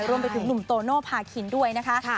รวมไปถึงหนุ่มโตโนภาคินด้วยนะคะ